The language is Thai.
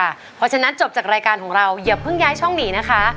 เพราะฉะนั้นจบจากรายการของเราอย่าเพิ่งย้ายช่องหนีนะคะ